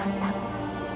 dan putri santam